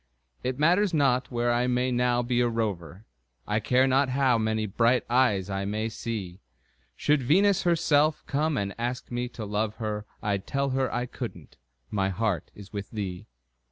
It matters not where I may now be a rover, I care not how many bright eyes I may see; Should Venus herself come and ask me to love her, I'd tell her I couldn't my heart is with thee.